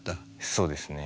そうですね。